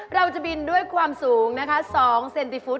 เราจะบินด้วยความสูงนะคะ๒เซนติฟุต